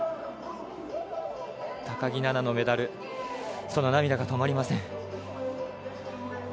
高木菜那のメダルその涙が止まりません。